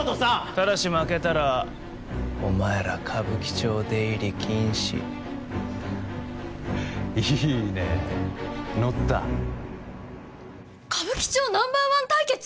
ただし負けたらお前ら歌舞伎町出入り禁止いいね乗った歌舞伎町ナンバーワン対決！？